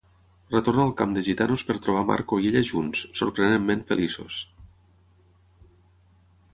Retorna al camp de gitanos per trobar Marco i ella junts, sorprenentment feliços.